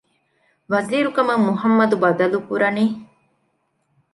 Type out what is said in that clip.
ވަޒީރުކަމަށް މުޙައްމަދު ބަދަލުކުރަނީ؟